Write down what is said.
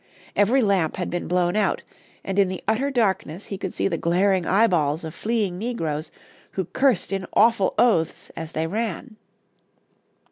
Every lamp had been blown out, and in the utter darkness he could see the glaring eyeballs of fleeing negroes, who cursed in awful oaths as they ran.